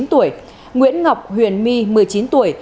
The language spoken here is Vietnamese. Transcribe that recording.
nguyễn ngọc huyền my một mươi chín tuổi